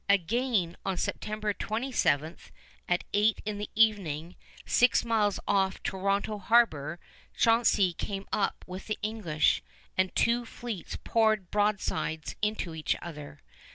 Again, on September 27, at eight in the evening, six miles off Toronto harbor, Chauncey came up with the English, and the two fleets poured broadsides into each other.